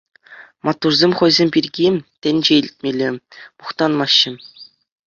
Маттурсем хӑйсем пирки тӗнче илтмелле мухтанмаҫҫӗ.